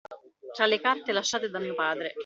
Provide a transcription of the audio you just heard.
Tra le carte lasciate da mio padre.